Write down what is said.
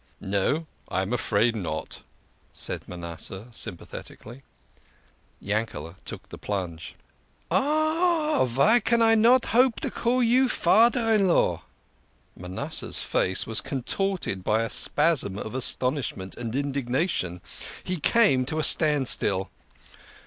"No, I am afraid not," said Manasseh sympathetically. Yankete took the plunge. "Ah, vy can I not hope to call you fader in law ?" Manasseh's face was contorted by a spasm of astonish ment and indignation. He came to a standstill.